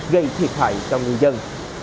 gây thiệt hại cho người dân